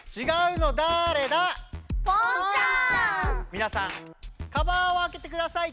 みなさんカバーをあけてください。